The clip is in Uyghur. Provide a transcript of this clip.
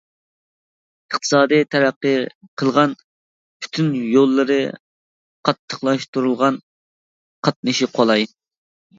ئىقتىسادىي تەرەققىي قىلغان، پۈتۈن يوللىرى قاتتىقلاشتۇرۇلغان، قاتنىشى قولاي.